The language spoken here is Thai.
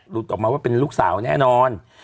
ออกมาว่าเป็นลูกสาวแน่นอน